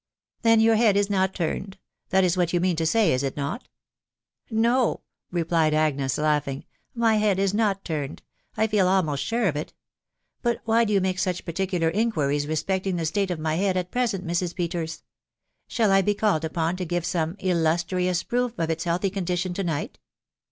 " Then your head is not turned ;..•• that is what you mean to say, is it not ?"" No," replied Agnes, laughing, " my head is not turned, — I feel almost sure of it. ... But why do you make such particular inquiries respecting the state of my head at present, Mrs. Peters ? Shall I be called upon to give some illustrious proof of its healthy condition to night